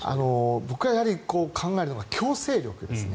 僕がやはり考えるのは強制力ですね。